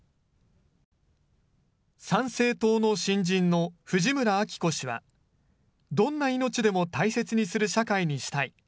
参政党の新人の藤村晃子氏は、どんな命でも大切にする社会にしたい。